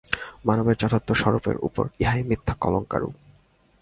মানবের যথার্থ স্বরূপের উপর ইহা মিথ্যা কলঙ্কারোপ।